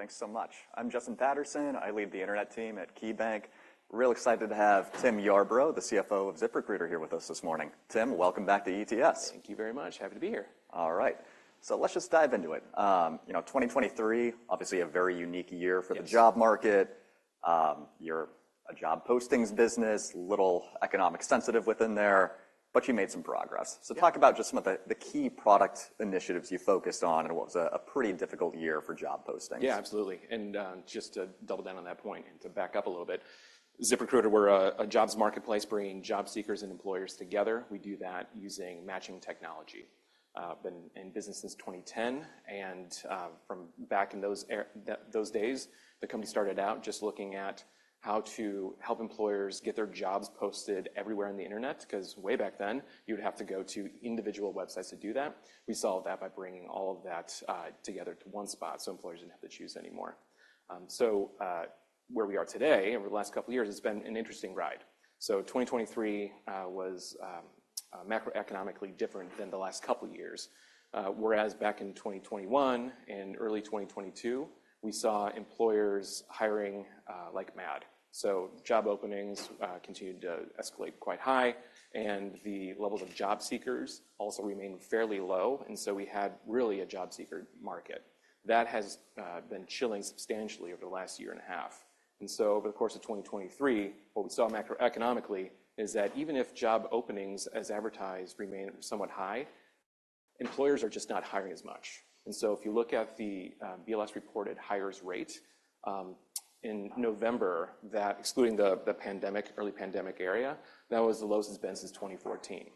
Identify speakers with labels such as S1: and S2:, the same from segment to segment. S1: All right. Thanks so much. I'm Justin Patterson. I lead the Internet team at KeyBanc. Really excited to have Tim Yarbrough, the CFO of ZipRecruiter, here with us this morning. Tim, welcome back to ETS.
S2: Thank you very much. Happy to be here.
S1: All right. So let's just dive into it. You know, 2023, obviously a very unique year for the job market. You're a job postings business, little economic sensitive within there, but you made some progress. So talk about just some of the key product initiatives you focused on and what was a pretty difficult year for job postings.
S2: Yeah, absolutely. And, just to double down on that point and to back up a little bit, ZipRecruiter, we're a jobs marketplace bringing job seekers and employers together. We do that using matching technology. I've been in business since 2010, and, from back in those days, the company started out just looking at how to help employers get their jobs posted everywhere on the Internet, 'cause way back then, you would have to go to individual websites to do that. We solved that by bringing all of that together to one spot so employers didn't have to choose anymore. So, where we are today over the last couple of years, it's been an interesting ride. So 2023 was, macroeconomically different than the last couple of years. Whereas back in 2021 and early 2022, we saw employers hiring, like mad. So job openings continued to escalate quite high, and the levels of job seekers also remained fairly low, and so we had really a job seeker market. That has been chilling substantially over the last year and a half. And so over the course of 2023, what we saw macroeconomically is that even if job openings, as advertised, remain somewhat high, employers are just not hiring as much. And so if you look at the BLS reported hires rate in November, that excluding the pandemic, early pandemic area, that was the lowest it's been since 2014.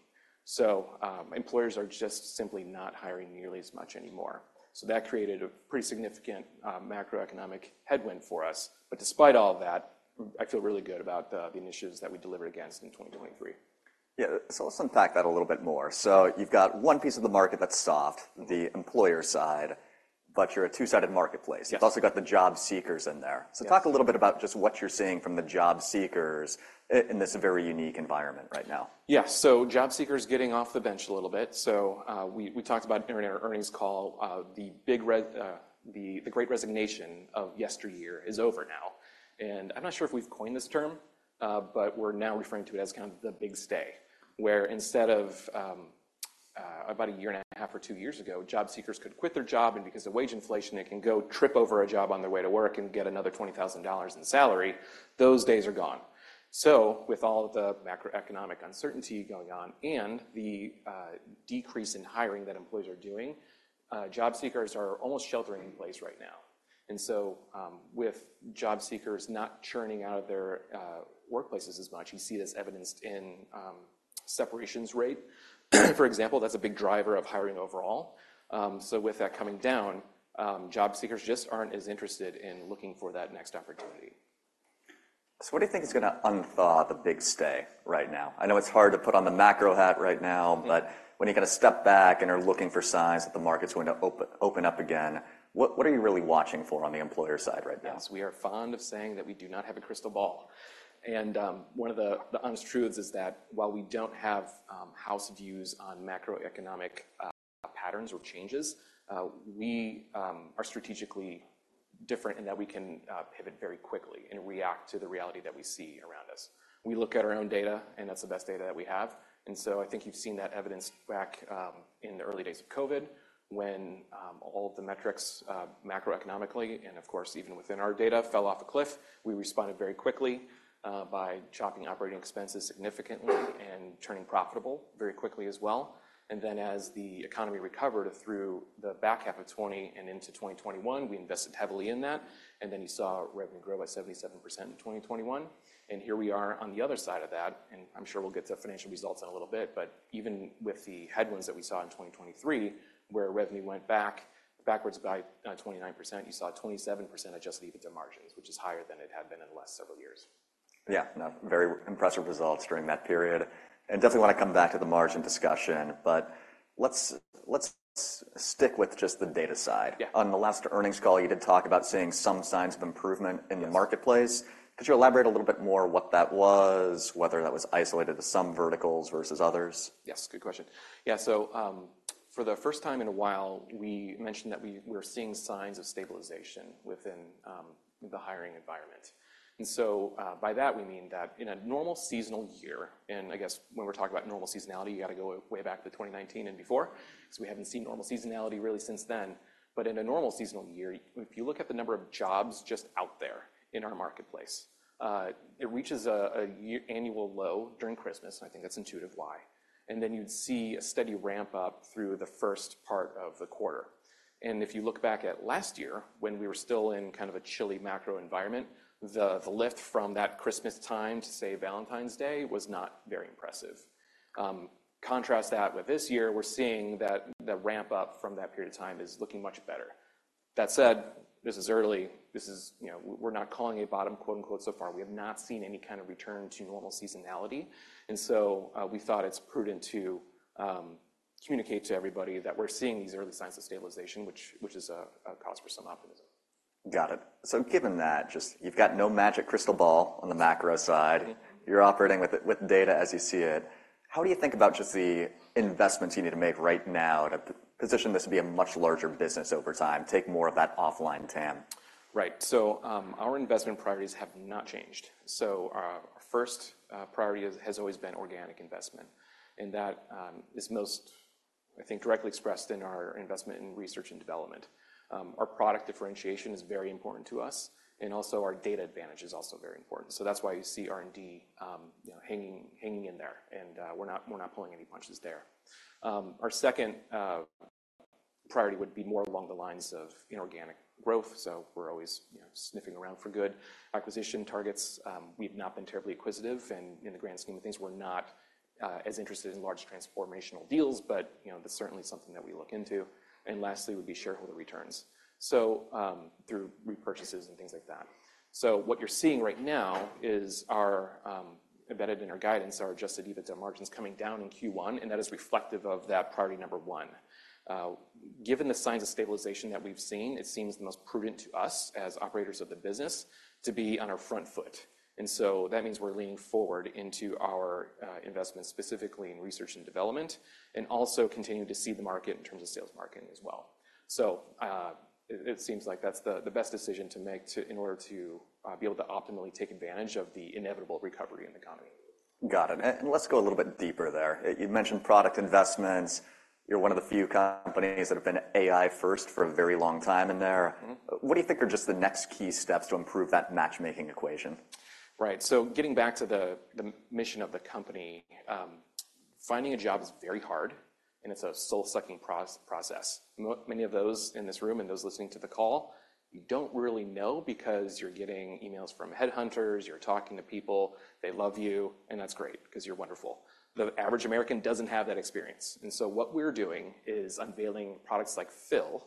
S2: So employers are just simply not hiring nearly as much anymore. So that created a pretty significant macroeconomic headwind for us. But despite all of that, I feel really good about the initiatives that we delivered against in 2023.
S1: Yeah. So let's unpack that a little bit more. So you've got one piece of the market that's soft, the employer side, but you're a two-sided marketplace.
S2: Yes.
S1: You've also got the job seekers in there. Talk a little bit about just what you're seeing from the job seekers in this very unique environment right now.
S2: Yeah. So job seekers getting off the bench a little bit. So, we talked about in our earnings call, the Great Resignation of yesteryear is over now. And I'm not sure if we've coined this term, but we're now referring to it as kind of the Big Stay, where instead of about a year and a half or two years ago, job seekers could quit their job, and because of wage inflation, they can go trip over a job on their way to work and get another $20,000 in salary. Those days are gone. So with all the macroeconomic uncertainty going on and the decrease in hiring that employers are doing, job seekers are almost sheltering in place right now. And so, with job seekers not churning out of their workplaces as much, you see this evidenced in separations rate. For example, that's a big driver of hiring overall. With that coming down, job seekers just aren't as interested in looking for that next opportunity.
S1: So what do you think is going to unthaw the Big Stay right now? I know it's hard to put on the macro hat right now, but when you kind of step back and are looking for signs that the market's going to open up again, what are you really watching for on the employer side right now?
S2: Yes. We are fond of saying that we do not have a crystal ball. And one of the honest truths is that while we don't have house views on macroeconomic patterns or changes, we are strategically different in that we can pivot very quickly and react to the reality that we see around us. We look at our own data, and that's the best data that we have. And so I think you've seen that evidenced back in the early days of COVID when all of the metrics, macroeconomically and, of course, even within our data, fell off a cliff. We responded very quickly by chopping operating expenses significantly and turning profitable very quickly as well. And then as the economy recovered through the back half of 2020 and into 2021, we invested heavily in that, and then you saw revenue grow by 77% in 2021. Here we are on the other side of that, and I'm sure we'll get to financial results in a little bit, but even with the headwinds that we saw in 2023, where revenue went backwards by 29%, you saw 27% Adjusted EBITDA margins, which is higher than it had been in the last several years.
S1: Yeah. No, very impressive results during that period. Definitely want to come back to the margin discussion, but let's stick with just the data side. On the last earnings call, you did talk about seeing some signs of improvement in the marketplace. Could you elaborate a little bit more what that was, whether that was isolated to some verticals versus others?
S2: Yes. Good question. Yeah. So, for the first time in a while, we mentioned that we were seeing signs of stabilization within the hiring environment. And so, by that, we mean that in a normal seasonal year and I guess when we're talking about normal seasonality, you got to go way back to 2019 and before, because we haven't seen normal seasonality really since then. But in a normal seasonal year, if you look at the number of jobs just out there in our marketplace, it reaches a year annual low during Christmas, and I think that's intuitive why. And then you'd see a steady ramp-up through the first part of the quarter. And if you look back at last year, when we were still in kind of a chilly macro environment, the lift from that Christmas time to, say, Valentine's Day was not very impressive. Contrast that with this year, we're seeing that the ramp-up from that period of time is looking much better. That said, this is early. This is, you know, we're not calling a bottom "so far." We have not seen any kind of return to normal seasonality. And so, we thought it's prudent to, communicate to everybody that we're seeing these early signs of stabilization, which is a cause for some optimism.
S1: Got it. So given that, just you've got no magic crystal ball on the macro side. You're operating with data as you see it. How do you think about just the investments you need to make right now to position this to be a much larger business over time, take more of that offline, TAM?
S2: Right. So, our investment priorities have not changed. So, our first priority has always been organic investment, and that is most, I think, directly expressed in our investment in research and development. Our product differentiation is very important to us, and also our data advantage is also very important. So that's why you see R&D, you know, hanging in there, and we're not pulling any punches there. Our second priority would be more along the lines of inorganic growth, so we're always, you know, sniffing around for good acquisition targets. We've not been terribly acquisitive, and in the grand scheme of things, we're not as interested in large transformational deals, but you know, that's certainly something that we look into. And lastly would be shareholder returns, so through repurchases and things like that. So what you're seeing right now is our embedded in our guidance are Adjusted EBITDA margins coming down in Q1, and that is reflective of that priority number one. Given the signs of stabilization that we've seen, it seems the most prudent to us as operators of the business to be on our front foot. So that means we're leaning forward into our investments, specifically in research and development, and also continue to see the market in terms of sales marketing as well. So, it seems like that's the best decision to make in order to be able to optimally take advantage of the inevitable recovery in the economy.
S1: Got it. Let's go a little bit deeper there. You mentioned product investments. You're one of the few companies that have been AI-first for a very long time in there. What do you think are just the next key steps to improve that matchmaking equation?
S2: Right. So getting back to the mission of the company, finding a job is very hard, and it's a soul-sucking process. Many of those in this room and those listening to the call, you don't really know because you're getting emails from headhunters, you're talking to people, they love you, and that's great because you're wonderful. The average American doesn't have that experience. And so what we're doing is unveiling products like Phil,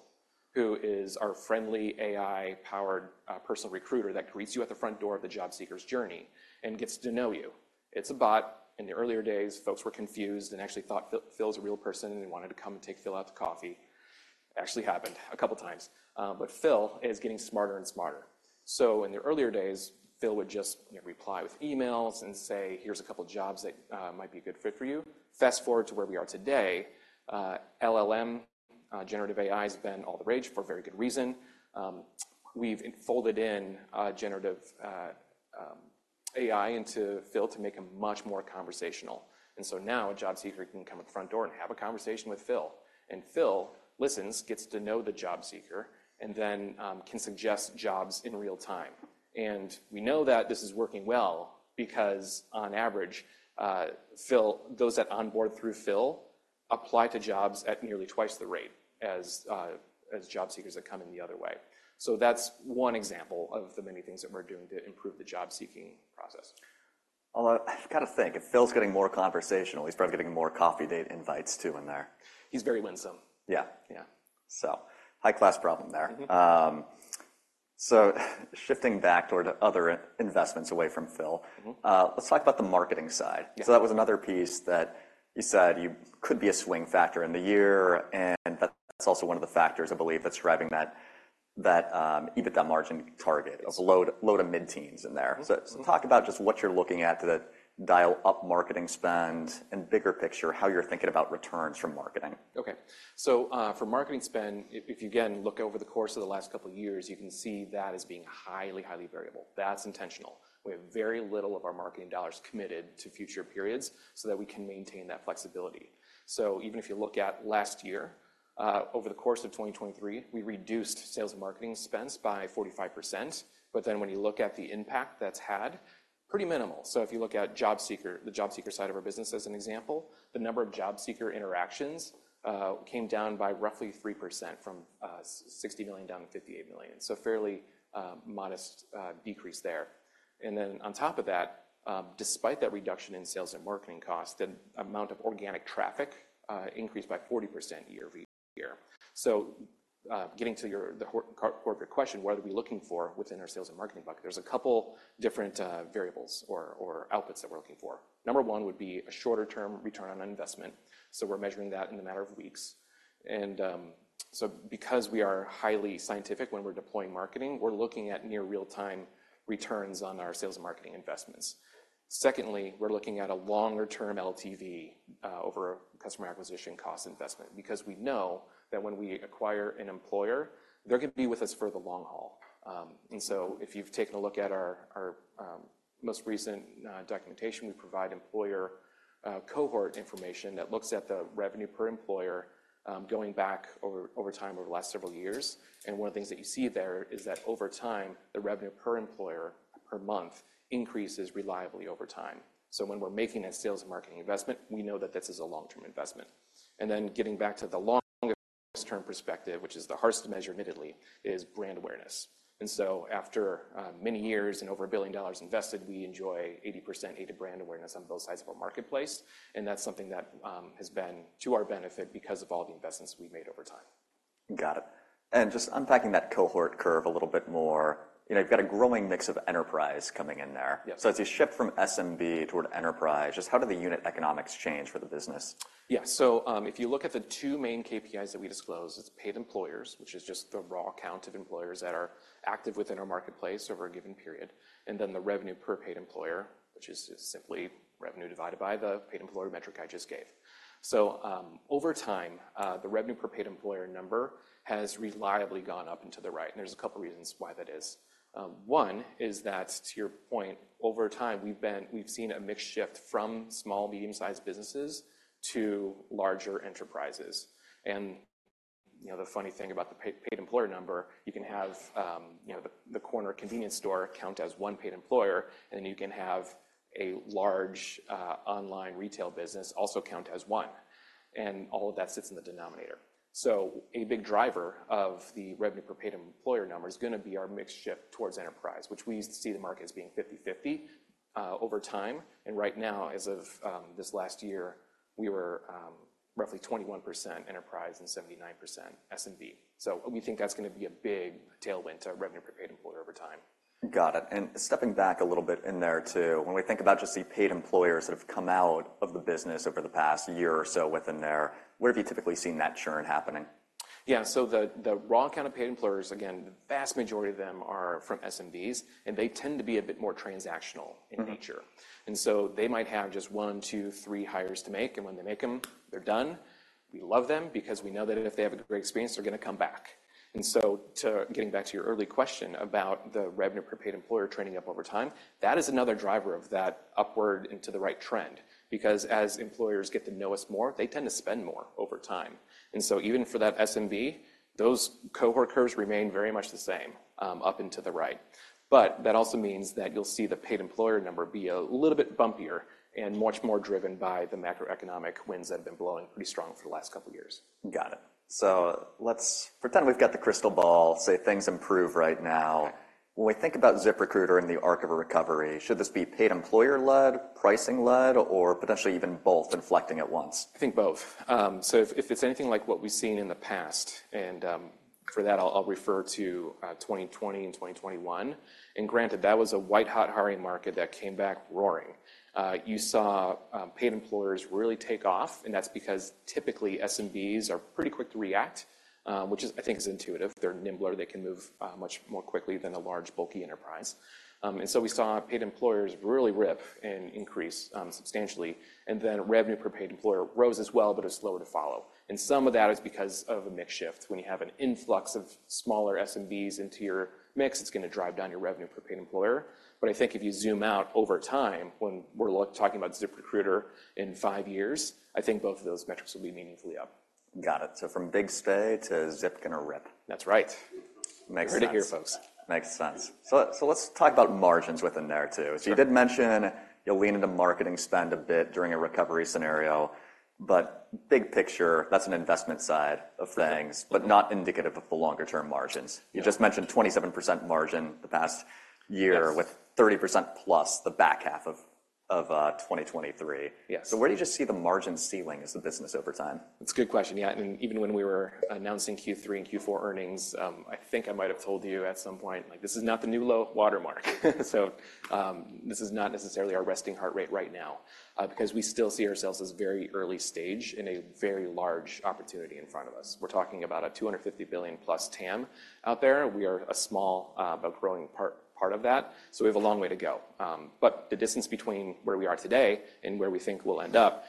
S2: who is our friendly AI-powered personal recruiter that greets you at the front door of the job seeker's journey and gets to know you. It's a bot. In the earlier days, folks were confused and actually thought Phil's a real person and wanted to come and take Phil out to coffee. Actually happened a couple of times. But Phil is getting smarter and smarter. So in the earlier days, Phil would just reply with emails and say, "Here's a couple of jobs that might be a good fit for you." Fast forward to where we are today, LLM, generative AI has been all the rage for very good reason. We've folded in generative AI into Phil to make him much more conversational. And so now a job seeker can come at the front door and have a conversation with Phil, and Phil listens, gets to know the job seeker, and then, can suggest jobs in real time. And we know that this is working well because, on average, Phil, those that onboard through Phil apply to jobs at nearly twice the rate as job seekers that come in the other way. So that's one example of the many things that we're doing to improve the job seeking process.
S1: Although I've got to think, if Phil's getting more conversational, he's probably getting more coffee date invites too in there.
S2: He's very winsome.
S1: Yeah. Yeah. So high-class problem there. So shifting back toward other investments away from Phil, let's talk about the marketing side. So that was another piece that you said could be a swing factor in the year, and that's also one of the factors, I believe, that's driving that EBITDA margin target. It was a low to mid-teens in there. So talk about just what you're looking at to dial up marketing spend and, bigger picture, how you're thinking about returns from marketing.
S2: Okay. So, for marketing spend, if you again look over the course of the last couple of years, you can see that is being highly, highly variable. That's intentional. We have very little of our marketing dollars committed to future periods so that we can maintain that flexibility. So even if you look at last year, over the course of 2023, we reduced sales and marketing spends by 45%, but then when you look at the impact that's had, pretty minimal. So if you look at job seeker, the job seeker side of our business as an example, the number of job seeker interactions, came down by roughly 3% from 60 million down to 58 million. So fairly, modest, decrease there. And then on top of that, despite that reduction in sales and marketing costs, the amount of organic traffic, increased by 40% year-over-year. So, getting to the core of your question, what are we looking for within our sales and marketing bucket? There's a couple different variables or outputs that we're looking for. Number one would be a shorter-term return on investment. So we're measuring that in the matter of weeks. So because we are highly scientific when we're deploying marketing, we're looking at near real-time returns on our sales and marketing investments. Secondly, we're looking at a longer-term LTV over customer acquisition cost investment because we know that when we acquire an employer, they're going to be with us for the long haul. So if you've taken a look at our most recent documentation, we provide employer cohort information that looks at the revenue per employer, going back over time, over the last several years. One of the things that you see there is that over time, the revenue per employer per month increases reliably over time. So when we're making that sales and marketing investment, we know that this is a long-term investment. And then getting back to the longest-term perspective, which is the hardest to measure admittedly, is brand awareness. And so after many years and over $1 billion invested, we enjoy 80% aided brand awareness on both sides of our marketplace, and that's something that has been to our benefit because of all the investments we've made over time.
S1: Got it. Just unpacking that cohort curve a little bit more, you know, you've got a growing mix of enterprise coming in there. As you shift from SMB toward enterprise, just how do the unit economics change for the business?
S2: Yeah. So, if you look at the two main KPIs that we disclose, it's paid employers, which is just the raw count of employers that are active within our marketplace over a given period, and then the revenue per paid employer, which is simply revenue divided by the paid employer metric I just gave. So, over time, the revenue per paid employer number has reliably gone up and to the right, and there's a couple of reasons why that is. One is that, to your point, over time, we've seen a mix shift from small, medium-sized businesses to larger enterprises. And, you know, the funny thing about the paid employer number, you can have, you know, the corner convenience store count as one paid employer, and then you can have a large, online retail business also count as one. And all of that sits in the denominator. A big driver of the revenue per paid employer number is going to be our mixed shift towards enterprise, which we see the market as being 50/50 over time. Right now, as of this last year, we were, roughly 21% enterprise and 79% SMB. We think that's going to be a big tailwind to revenue per paid employer over time.
S1: Got it. Stepping back a little bit in there too, when we think about just the Paid Employers that have come out of the business over the past year or so within there, where have you typically seen that churn happening?
S2: Yeah. So the raw count of Paid Employers, again, the vast majority of them are from SMBs, and they tend to be a bit more transactional in nature. And so they might have just one, two, three hires to make, and when they make them, they're done. We love them because we know that if they have a great experience, they're going to come back. And so to getting back to your early question about the Revenue per Paid Employer training up over time, that is another driver of that upward into the right trend because as employers get to know us more, they tend to spend more over time. And so even for that SMB, those cohort curves remain very much the same up and to the right. But that also means that you'll see the paid employer number be a little bit bumpier and much more driven by the macroeconomic winds that have been blowing pretty strong for the last couple of years.
S1: Got it. Let's pretend we've got the crystal ball, say things improve right now. When we think about ZipRecruiter in the arc of a recovery, should this be Paid Employer-led, pricing-led, or potentially even both inflecting at once?
S2: I think both. So if it's anything like what we've seen in the past, and for that, I'll refer to 2020 and 2021. And granted, that was a white-hot hiring market that came back roaring. You saw Paid Employers really take off, and that's because typically SMBs are pretty quick to react, which I think is intuitive. They're nimble. They can move much more quickly than a large, bulky enterprise. And so we saw Paid Employers really rip and increase substantially, and then Revenue per Paid Employer rose as well, but it was slower to follow. And some of that is because of a mix shift. When you have an influx of smaller SMBs into your mix, it's going to drive down your Revenue per Paid Employer. But I think if you zoom out over time, when we're talking about ZipRecruiter in five years, I think both of those metrics will be meaningfully up.
S1: Got it. So from Big Stay to Zip going to rip.
S2: That's right.
S1: Makes sense.
S2: Great to hear, folks.
S1: Makes sense. So let's talk about margins within there too. So you did mention you'll lean into marketing spend a bit during a recovery scenario, but big picture, that's an investment side of things, but not indicative of the longer-term margins. You just mentioned 27% margin the past year with 30%+ the back half of 2023. So where do you just see the margin ceiling as the business over time?
S2: That's a good question. Yeah. And even when we were announcing Q3 and Q4 earnings, I think I might have told you at some point, like, "This is not the new low watermark. So this is not necessarily our resting heart rate right now," because we still see ourselves as very early stage in a very large opportunity in front of us. We're talking about a $250 billion-plus TAM out there. We are a small, but growing part of that. So we have a long way to go. But the distance between where we are today and where we think we'll end up,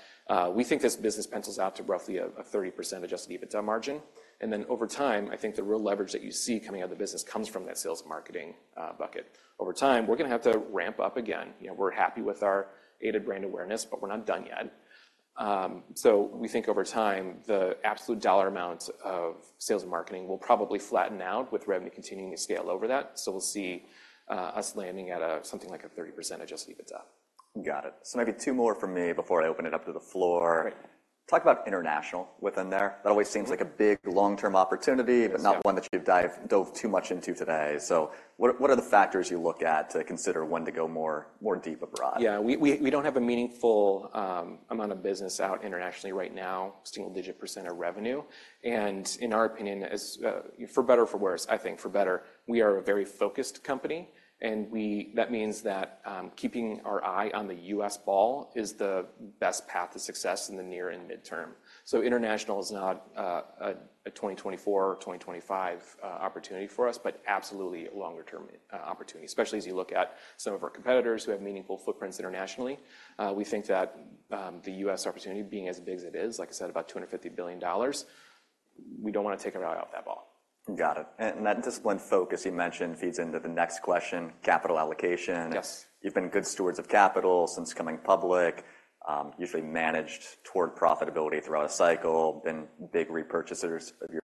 S2: we think this business pencils out to roughly a 30% Adjusted EBITDA margin. And then over time, I think the real leverage that you see coming out of the business comes from that sales and marketing bucket. Over time, we're going to have to ramp up again. We're happy with our aided brand awareness, but we're not done yet. So we think over time, the absolute dollar amount of sales and marketing will probably flatten out with revenue continuing to scale over that. So we'll see us landing at something like a 30% Adjusted EBITDA.
S1: Got it. So maybe two more for me before I open it up to the floor. Talk about international within there. That always seems like a big long-term opportunity, but not one that you've dove too much into today. So what are the factors you look at to consider when to go more deep abroad?
S2: Yeah. We don't have a meaningful amount of business out internationally right now, single-digit% of revenue. In our opinion, for better or for worse, I think for better, we are a very focused company, and that means that keeping our eye on the US ball is the best path to success in the near and mid-term. International is not a 2024 or 2025 opportunity for us, but absolutely a longer-term opportunity, especially as you look at some of our competitors who have meaningful footprints internationally. We think that the U.S. opportunity, being as big as it is, like I said, about $250 billion. We don't want to take our eye off that ball.
S1: Got it. And that disciplined focus you mentioned feeds into the next question, capital allocation. You've been good stewards of capital since coming public, usually managed toward profitability throughout a cycle, been big repurchasers of your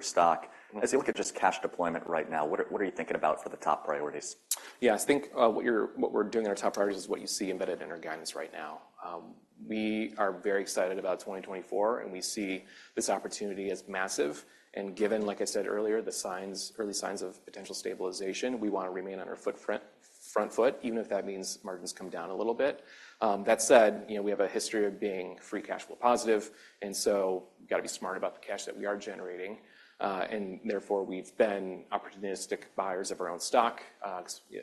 S1: stock. As you look at just cash deployment right now, what are you thinking about for the top priorities?
S2: Yeah. I think what we're doing in our top priorities is what you see embedded in our guidance right now. We are very excited about 2024, and we see this opportunity as massive. And given, like I said earlier, the early signs of potential stabilization, we want to remain on our front foot, even if that means margins come down a little bit. That said, we have a history of being free cash flow positive, and so we've got to be smart about the cash that we are generating. And therefore, we've been opportunistic buyers of our own stock.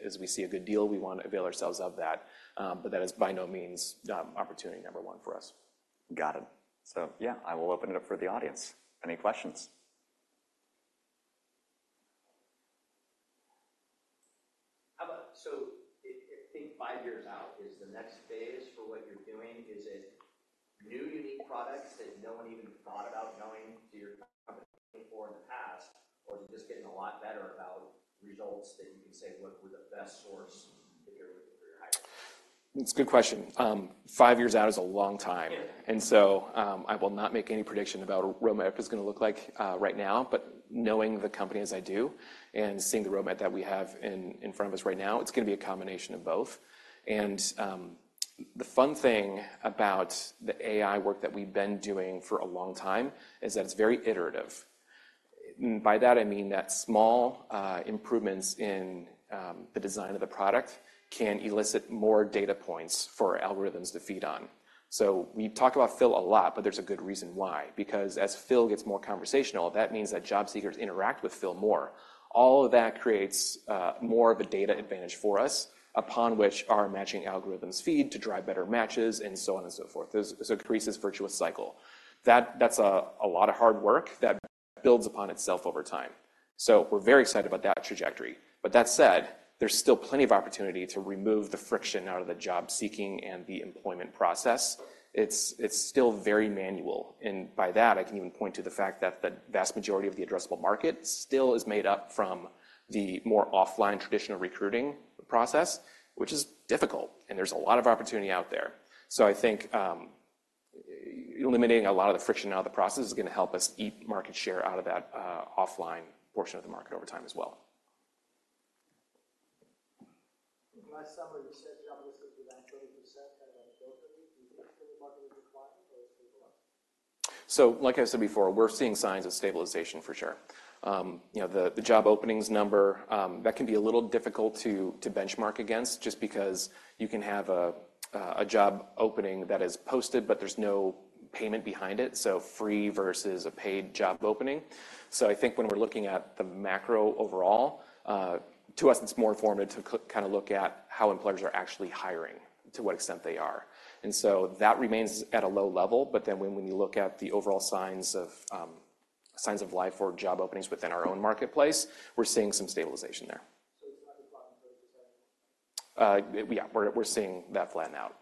S2: As we see a good deal, we want to avail ourselves of that, but that is by no means opportunity number one for us.
S1: Got it. So yeah, I will open it up for the audience. Any questions?
S3: How about, so I think five years out is the next phase for what you're doing. Is it new, unique products that no one even thought about knowing to your company before in the past, or is it just getting a lot better about results that you can say were the best source if you're looking for your hiring?
S2: That's a good question. Five years out is a long time. So I will not make any prediction about what roadmap is going to look like right now, but knowing the company as I do and seeing the roadmap that we have in front of us right now, it's going to be a combination of both. The fun thing about the AI work that we've been doing for a long time is that it's very iterative. By that, I mean that small improvements in the design of the product can elicit more data points for algorithms to feed on. So we talk about Phil a lot, but there's a good reason why. Because as Phil gets more conversational, that means that job seekers interact with Phil more. All of that creates more of a data advantage for us upon which our matching algorithms feed to drive better matches and so on and so forth. So it creates this virtuous cycle. That's a lot of hard work that builds upon itself over time. So we're very excited about that trajectory. But that said, there's still plenty of opportunity to remove the friction out of the job seeking and the employment process. It's still very manual. And by that, I can even point to the fact that the vast majority of the addressable market still is made up from the more offline traditional recruiting process, which is difficult, and there's a lot of opportunity out there. So I think eliminating a lot of the friction out of the process is going to help us eat market share out of that offline portion of the market over time as well.
S3: Last summer, you said job listings were down 30%, kind of on the go for you. Do you think the market is declining or is it stable up?
S2: So like I said before, we're seeing signs of stabilization for sure. The job openings number, that can be a little difficult to benchmark against just because you can have a job opening that is posted, but there's no payment behind it, so free versus a paid job opening. So I think when we're looking at the macro overall, to us, it's more informative to kind of look at how employers are actually hiring, to what extent they are. And so that remains at a low level, but then when you look at the overall signs of life or job openings within our own marketplace, we're seeing some stabilization there.
S3: So it's not declining 30% anymore?
S2: Yeah. We're seeing that flatten out.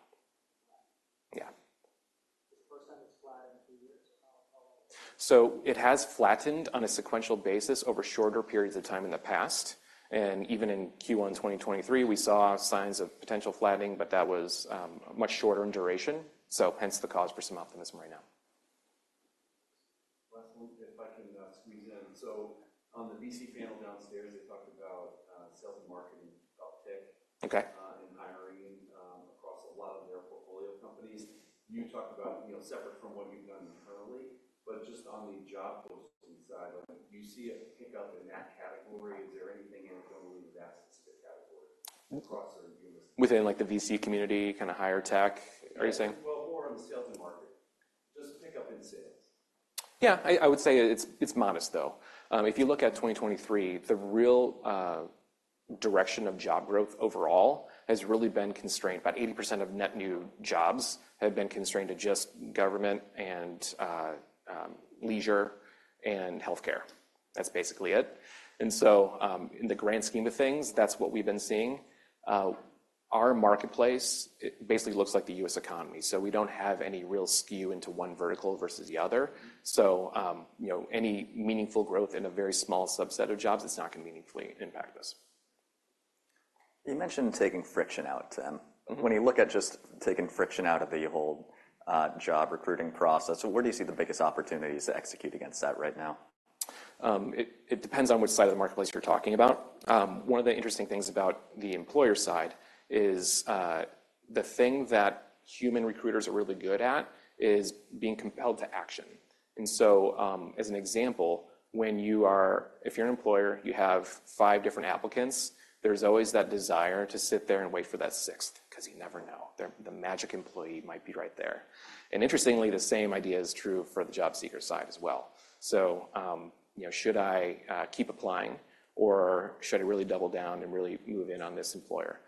S2: Yeah.
S3: Is it the first time it's flat in two years or how long ago?
S2: It has flattened on a sequential basis over shorter periods of time in the past. Even in Q1 2023, we saw signs of potential flattening, but that was much shorter in duration, so hence the cause for some optimism right now.
S3: Last one, if I can squeeze in. So on the VC panel downstairs, they talked about sales and marketing, about tech and hiring across a lot of their portfolio companies. You talked about, separate from what you've done internally, but just on the job posting side, you see a pickup in that category. Is there anything in it that you don't believe is that specific category across your listing?
S2: Within the VC community, kind of higher tech, are you saying?
S3: Well, more on the sales and market. Just pick up in sales.
S2: Yeah. I would say it's modest, though. If you look at 2023, the real direction of job growth overall has really been constrained. About 80% of net new jobs have been constrained to just government and leisure and healthcare. That's basically it. And so in the grand scheme of things, that's what we've been seeing. Our marketplace basically looks like the U.S. economy. So we don't have any real skew into one vertical versus the other. So any meaningful growth in a very small subset of jobs, it's not going to meaningfully impact us.
S1: You mentioned taking friction out. When you look at just taking friction out of the whole job recruiting process, where do you see the biggest opportunities to execute against that right now?
S2: It depends on which side of the marketplace you're talking about. One of the interesting things about the employer side is the thing that human recruiters are really good at is being compelled to action. And so as an example, if you're an employer, you have five different applicants, there's always that desire to sit there and wait for that sixth because you never know. The magic employee might be right there. And interestingly, the same idea is true for the job seeker side as well. So should I keep applying, or should I really double down and really move in on this employer?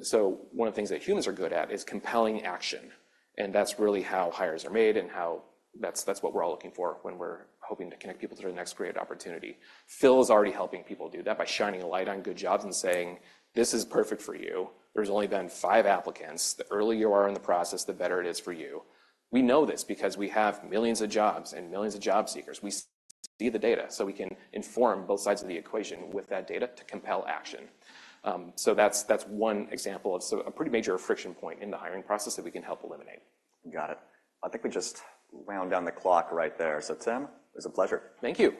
S2: So one of the things that humans are good at is compelling action. And that's really how hires are made and how that's what we're all looking for when we're hoping to connect people to their next great opportunity. Phil is already helping people do that by shining a light on good jobs and saying, "This is perfect for you. There's only been five applicants. The earlier you are in the process, the better it is for you." We know this because we have millions of jobs and millions of job seekers. We see the data, so we can inform both sides of the equation with that data to compel action. So that's one example of a pretty major friction point in the hiring process that we can help eliminate.
S1: Got it. I think we just run down the clock right there. So Tim, it was a pleasure.
S2: Thank you.